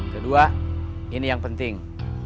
kedua ini yang penting